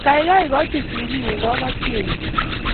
Gaigai, igochi sigiiguk kogotyonyu